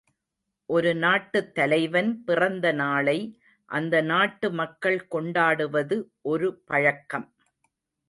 ஒரு நாட்டுத் தலைவன் பிறந்த நாளை அந்த நாட்டு மக்கள் கொண்டாடுவது ஒரு பழக்கம்.